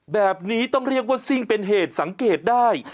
แบบนี้ต้องเรียกว่าซิ่งเป็นเหตุสังเกตได้